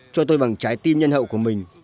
cho tôi bằng trái tim nhân hậu của mình